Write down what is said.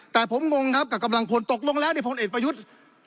แต่ผมงงครับกับกำลังพลตกลงแล้วในพลเอกประยุทธ์